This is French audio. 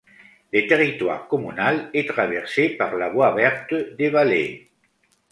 Le territoire communal est traversé par la voie verte des Vallées.